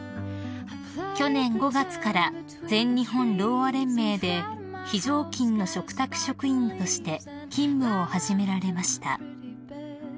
［去年５月から全日本ろうあ連盟で非常勤の嘱託職員として勤務を始められました］